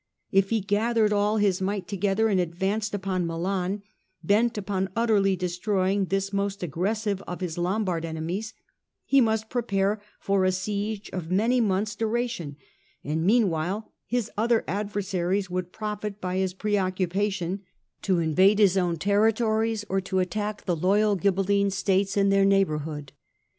If he gathered all his might together and advanced upon Milan, bent upon utterly destroying this most aggressive of his Lombard enemies, he must prepare for a siege of many months' duration : and meanwhile his other adversaries would profit by his preoccupation to invade his own territories 256 STUPOR MUNDI or to attack the loyal Ghibelline states in their neigh bourhood.